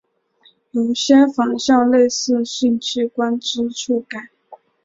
有些仿效类似性器官之触感。